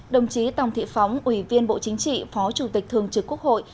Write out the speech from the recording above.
đồng chí tòng thị phóng ủy viên bộ chính trị phó chủ tịch thường trực quốc hội